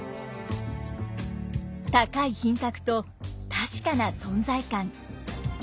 高い品格と確かな存在感。